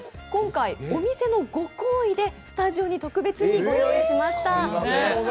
今回、お店のご厚意でスタジオに特別にご用意しました。